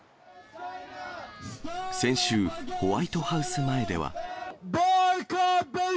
先週、ホワイトハウス前では。